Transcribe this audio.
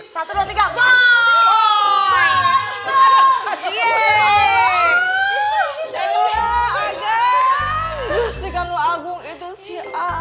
satu dua tiga